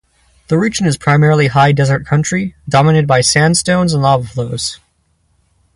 The region is primarily high desert country, dominated by sandstones and lava flows.